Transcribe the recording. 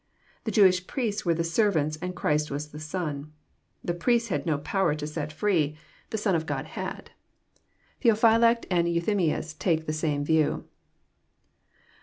The Jewish priests were the servants, and Christ was the Son. The priests had no power to set froe ; 108 EXPOSITORY THOUGHTS. the Son of Grod bad. Theopliylact asd Eathymias take the same ▼lew.